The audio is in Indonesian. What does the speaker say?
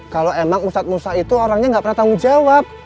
kalau emang ustadz musa itu orangnya gak pernah tanggung jawab